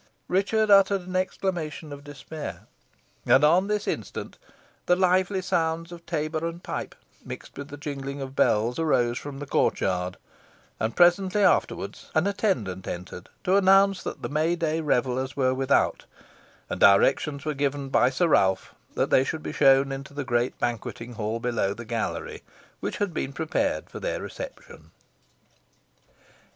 Richard uttered an exclamation of despair. And on the instant the lively sounds of tabor and pipe, mixed with the jingling of bells, arose from the court yard, and presently afterwards an attendant entered to announce that the May day revellers were without, and directions were given by Sir Ralph that they should be shown into the great banqueting hall below the gallery, which had been prepared for their reception.